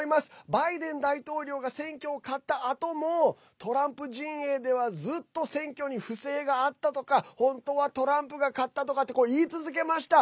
バイデン大統領が選挙を勝ったあともトランプ陣営では、ずっと選挙に不正があったとか本当はトランプが勝ったとかって言い続けました。